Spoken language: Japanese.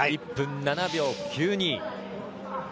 １分７秒９２。